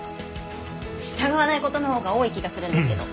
従わない事のほうが多い気がするんですけど。